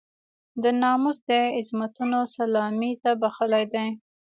د ناموس د عظمتونو سلامي ته بخښلی دی.